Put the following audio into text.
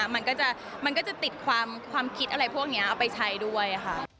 มันก็จะติดความคิดอะไรพวกนี้เอาไปใช้ด้วยค่ะ